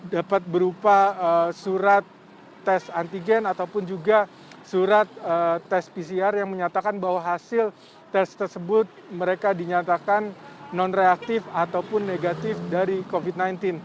dapat berupa surat tes antigen ataupun juga surat tes pcr yang menyatakan bahwa hasil tes tersebut mereka dinyatakan non reaktif ataupun negatif dari covid sembilan belas